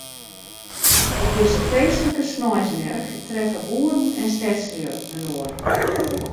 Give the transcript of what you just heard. Op dizze feestlike sneinsmerk treffe boeren en stedslju inoar.